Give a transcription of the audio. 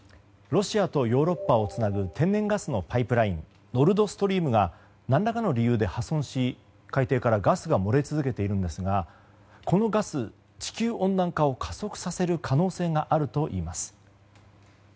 ロシアとヨーロッパをつなぐ、天然ガスのパイプラインノルドストリームが何らかの理由で破損し海底からガスが漏れ続けているんですがこのガス、地球温暖化を加速させる可能性があるといいます。